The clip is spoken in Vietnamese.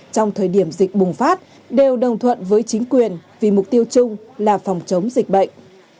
trong thời điểm dịch bùng phát đều đồng thuận với chính quyền vì mục tiêu chung là phòng chống dịch bệnh